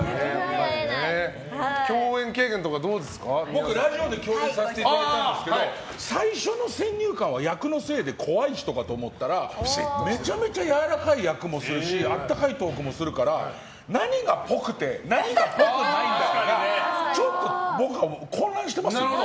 僕、ラジオで共演させていただいたんですけど最初の先入観は役のせいで怖い人かと思ったらめちゃめちゃやわらかい役もするし温かいトークもするから何がっぽくて何がっぽくないんだろうってちょっと僕は混乱してます。